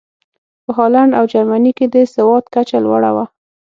په هالنډ او جرمني کې د سواد کچه لوړه وه.